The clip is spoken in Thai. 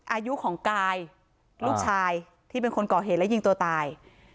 อายุของกายลูกชายที่เป็นคนก่อเหตุและยิงตัวตาย